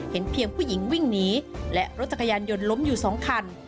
เห็นเพียงผู้หญิงวิ่งหนีและรถจักรยานยนต์ล้มอยู่สองคัน